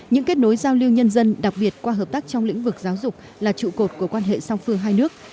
những kết nối giao lưu nhân dân đặc biệt qua hợp tác trong lĩnh vực giáo dục là trụ cột của quan hệ song phương hai nước